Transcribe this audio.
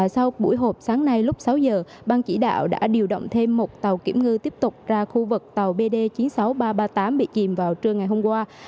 sau buổi họp sáng nay lúc sáu giờ ban chỉ đạo đã điều động thêm một tàu kiểm ngư tiếp tục ra khu vực tàu bd chín mươi sáu nghìn ba trăm ba mươi tám bị chìm vào trưa ngày hôm qua